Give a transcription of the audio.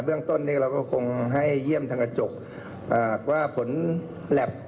และมีข้อมูลเรียกวันออกจากนั้ี่